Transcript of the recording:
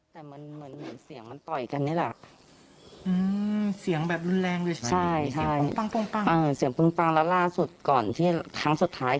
แต่มันเหมือนเสียงมันต่อยกันนี่แหละ